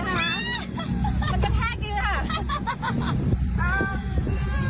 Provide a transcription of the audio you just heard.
มันกระแทกดีค่ะ